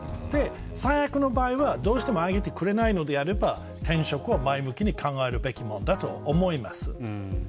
最悪の場合はどうしても上げてくれないのであれば転職を前向きに考えるべきだと思います。